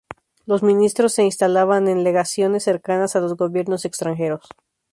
Los ministros se instalaban en legaciones cercanas a los gobiernos extranjeros.